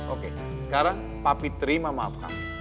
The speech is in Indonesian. oke sekarang papi terima maaf kami